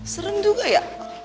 serem juga ya